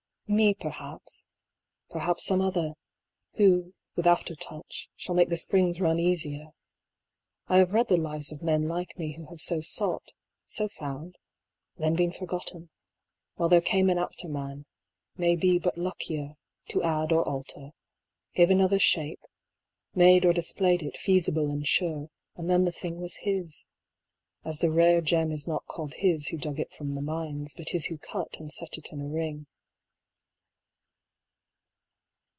Me perhaps; perhaps some other, who, with after touch, shall make the springs run easier: I have read the lives of men like me who have so sought, so found, then been forgotten, while there came an apter man, maybe but luckier, to add or alter, gave another shape, made or displayed it feasible and sure, and then the thing was his... as the rare gem is not called his who dug it from the mines, but his who cut and set it in a ring.